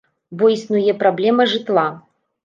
Бо існуе праблема жытла.